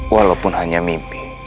walaupun hanya mimpi